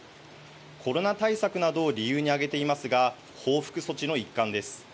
コロナ対策などを理由に挙げていますが、報復措置の一環です。